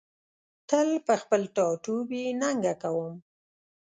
تل په خپل ټاټوبي ننګه کوم